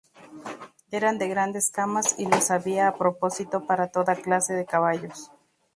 Eran de grandes camas y los había a propósito para toda clase de caballos.